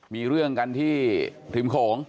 มีเรื่องกันที่ริมโขง